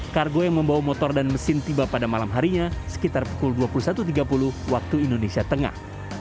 kargo yang membawa motor dan mesin tiba pada malam harinya sekitar pukul dua puluh satu tiga puluh waktu indonesia tengah